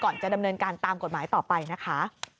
จะดำเนินการตามกฎหมายต่อไปนะคะ